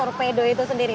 torpedo itu sendiri